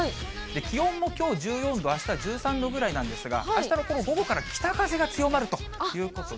気温もきょう１４度、あしたは１３度ぐらいなんですが、あしたのこの午後から北風が強まるということで。